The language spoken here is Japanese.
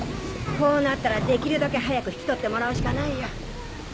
こうなったらできるだけ早く引きとってもらうしかないよ。